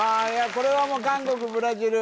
これはもう韓国ブラジル